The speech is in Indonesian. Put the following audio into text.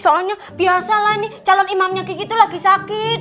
soalnya biasa lah nih calon imamnya kiki tuh lagi sakit